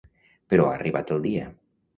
Però ha arribat el dia.